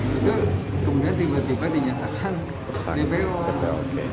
itu kemudian tiba tiba dinyatakan kepewa